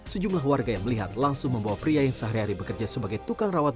sejumlah warga yang melihat langsung membawa pria yang sehari hari bekerja sebagai tukang rawat